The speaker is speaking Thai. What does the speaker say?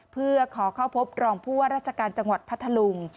เพื่อขอเข้าพบรองผู้ว่าราชการจังหวัดพัทธลุง